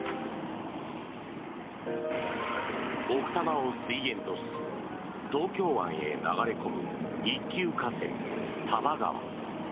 奥多摩を水源とし東京湾へ流れ込む一級河川、多摩川。